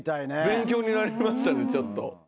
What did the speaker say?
勉強になりましたねちょっと。